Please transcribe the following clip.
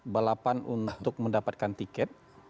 balapan untuk mendapatkan tiket